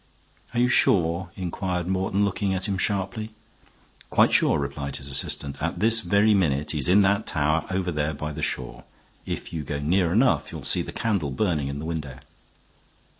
"Are you sure?" inquired Morton, looking at him sharply. "Quite sure," replied his assistant. "At this very minute he is in that tower over there by the shore. If you go near enough you'll see the candle burning in the window."